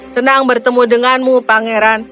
senang bertemu denganmu pangeran